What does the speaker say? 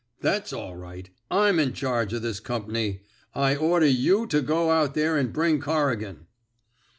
That's all right. I'm in charge o' this comp'ny. I order you to go out there an' bring Cor rigan."